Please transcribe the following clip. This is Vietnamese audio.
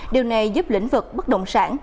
điều này giúp lĩnh vực bất động sản